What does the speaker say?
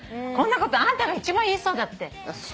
こんなことあんたが一番言いそうだって。